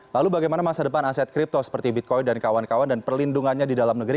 lalu bagaimana masa depan aset kripto seperti bitcoin dan kawan kawan dan perlindungannya di dalam negeri